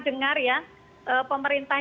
dengar ya pemerintah